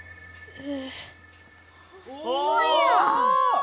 え！